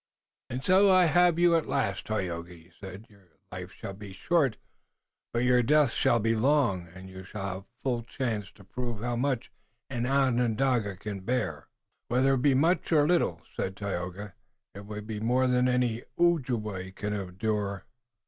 "And so I have you at last, Tayoga," he said. "Your life shall be short, but your death shall be long, and you shall have full chance to prove how much an Onondaga can bear." "Whether it be much or little," said Tayoga, "it will be more than any Ojibway can endure."